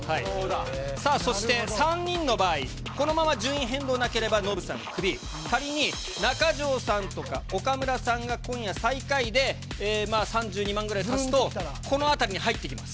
さあ、そして３人の場合、このまま順位変動なければノブさんクビ、仮に中条さんとか、岡村さんが今夜、最下位で、３２万ぐらい足すと、この辺りに入ってきます。